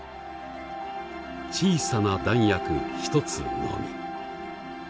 小さな弾薬１つのみ。